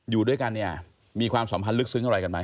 อยู่ด้วยกันเนี่ยมีความสัมพันธ์ลึกซึ้งอะไรกันไหม